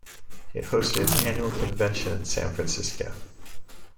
It hosted its annual convention in San Francisco.